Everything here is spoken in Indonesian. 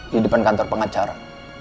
di depan kantor pengacara